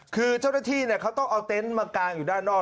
คือเจ้าหน้าที่เขาต้องเอาเต็นต์มากางอยู่ด้านนอก